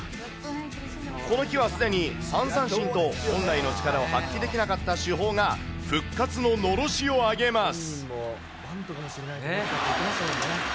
この日はすでに３三振と、本来の力を発揮できなかった主砲が、復活ののろしを上げます。